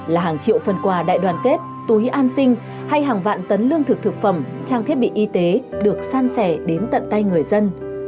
là hàng triệu phần quà đại đoàn kết túi an sinh hay hàng vạn tấn lương thực thực phẩm trang thiết bị y tế được san sẻ đến tận tay người dân